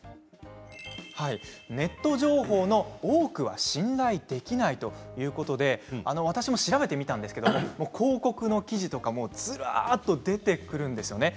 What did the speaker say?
ネット情報の多くは信頼できないということで私も調べてみたんですけれど広告の記事とかもずらっと出てくるんですね。